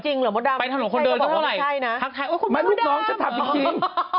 จริงหรือโบดำใช่หรือบอกว่าไม่ใช่นะมันพวกน้องจะทำจริง